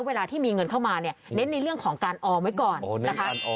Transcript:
เวลาที่มีเงินเข้ามาเนี่ยเน้นในเรื่องของการออมไว้ก่อนนะคะ